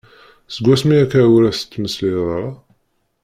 Seg wasmi akka ur as-tettmeslayeḍ ara?